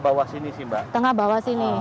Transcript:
bawah sini sih mbak tengah bawah sini